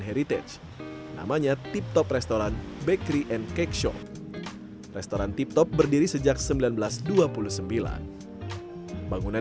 heritage namanya tiptop restoran bakery and cake shop restoran tiptop berdiri sejak seribu sembilan ratus dua puluh sembilan bangunan